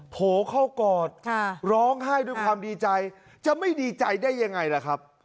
โผล่เข้ากอดร้องไห้ด้วยความดีใจจะไม่ดีใจได้ยังไงล่ะครับ